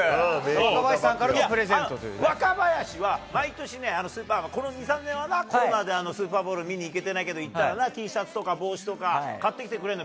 若林さんからのプレゼントと若林は、毎年ね、スーパーボウル、この２、３年はコロナでスーパーボウル、見に行けてないけど、行ったらＴシャツとか、帽子とか買ってきてくれんの。